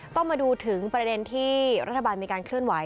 ต้องมาดูถึงประเด็นที่รัฐบาลมีการเคลื่อนไหว